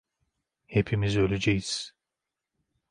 Hepimiz öleceğiz.